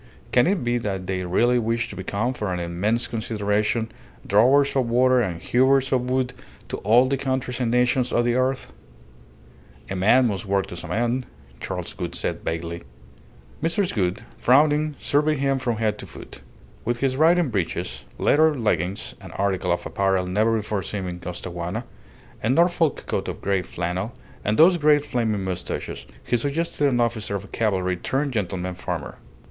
Can it be that they really wish to become, for an immense consideration, drawers of water and hewers of wood to all the countries and nations of the earth?" "A man must work to some end," Charles Gould said, vaguely. Mrs. Gould, frowning, surveyed him from head to foot. With his riding breeches, leather leggings (an article of apparel never before seen in Costaguana), a Norfolk coat of grey flannel, and those great flaming moustaches, he suggested an officer of cavalry turned gentleman farmer.